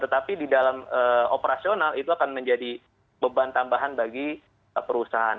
tetapi di dalam operasional itu akan menjadi beban tambahan bagi perusahaan